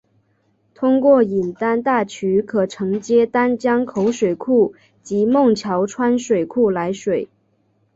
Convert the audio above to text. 通过引丹大渠可承接丹江口水库及孟桥川水库来水。